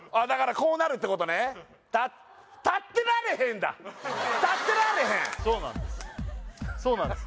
こうなるってことね立ってられへんそうなんですそうなんです